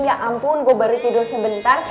ya ampun gue baru tidur sebentar